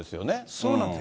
そうなんです。